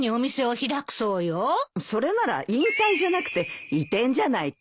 それなら引退じゃなくて移転じゃないかい。